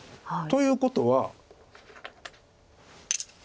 ということは。